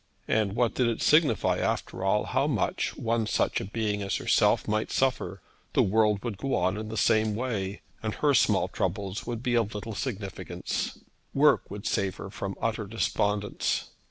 And what did it signify after all how much one such a being as herself might suffer? The world would go on in the same way, and her small troubles would be of but little significance. Work would save her from utter despondence.